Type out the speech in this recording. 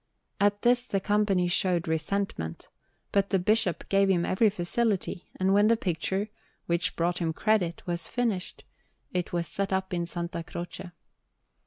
At this the Company showed resentment, but the Bishop gave him every facility; and when the picture, which brought him credit, was finished, it was set up in S. Croce.